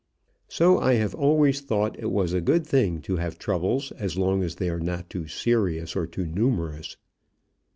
So I have always thought it was a good thing to have troubles, as long as they are not too serious or too numerous.